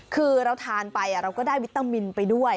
คือเราทานไปเราก็ได้วิตามินไปด้วย